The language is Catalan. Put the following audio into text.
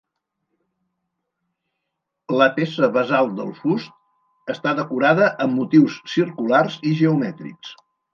La peça basal del fust està decorada amb motius circulars i geomètrics.